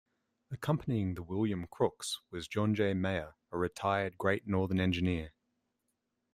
Accompanying the "William Crooks" was John J. Maher, a retired Great Northern engineer.